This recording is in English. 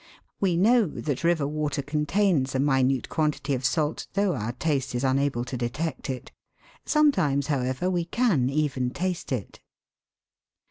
We know that river water contains a minute quantity of salt, though our taste is unable to detect it. Sometimes, however, we can even taste it.